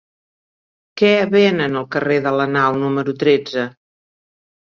Què venen al carrer de la Nau número tretze?